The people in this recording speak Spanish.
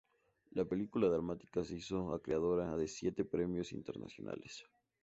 La película dramática se hizo acreedora de siete premios internacionales.